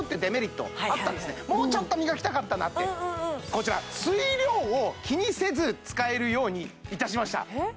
こちら水量を気にせず使えるようにいたしましたえっ？